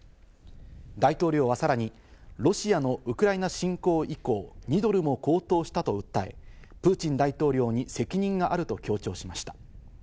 大統領はさらにロシアのウクライナ侵攻以降、２ドルも高騰したと訴え、プーチン大統領に責任があると強調しました。